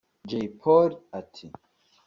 Jay Polly ati